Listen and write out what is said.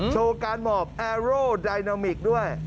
โชว์การหมอบแอโร่ไดนามิกด้วย